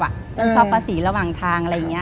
เริ่มชอบป้าศรีระหว่างทาง